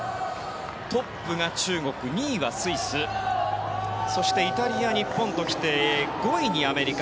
トップが中国２位がスイスそしてイタリア、日本ときて５位にアメリカ。